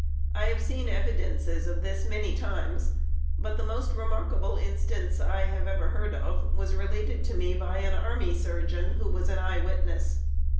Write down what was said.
I have seen evidences of this many times, but the most remarkable instance I have ever heard of was related to me by an army surgeon, who was an eye witness.